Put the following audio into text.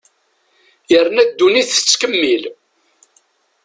Yerna ddunit tettkemmil.